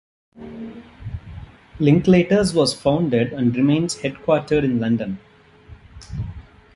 Linklaters was founded and remains headquartered in London.